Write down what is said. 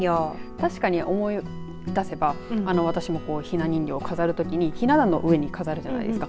確かに思い出せば私もひな人形を飾るときにひな壇の上に飾るじゃないですか。